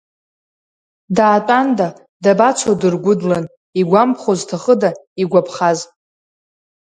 Даатәанда, дабацо дыргәыдлан, игәамԥхо зҭахыда, игәаԥхаз!